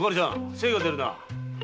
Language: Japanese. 精が出るな。